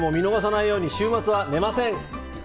見逃さないように週末は寝ません！